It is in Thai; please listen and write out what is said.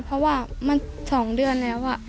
เพราะว่ามัน๒เดือนแล้ว